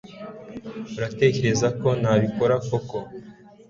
Uratekereza ko nabikora koko